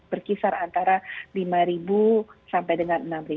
berkisar antara lima sampai dengan enam